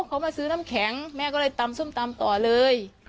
เขามาซื้อน้ำแข็งแม่ก็เลยตำส้มตำต่อเลย